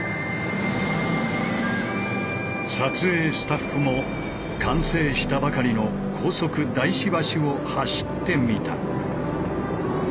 撮影スタッフも完成したばかりの高速大師橋を走ってみた。